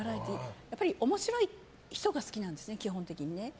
やっぱり面白い人が好きなんですね、基本的に。